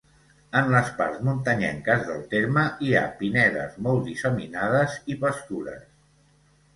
En les parts muntanyenques del terme hi ha pinedes molt disseminades i pastures.